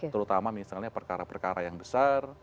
terutama misalnya perkara perkara yang besar